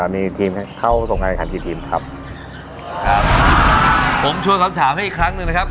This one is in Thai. มีทีมเข้าส่งการแข่งขันกี่ทีมครับครับผมชวนคำถามให้อีกครั้งหนึ่งนะครับ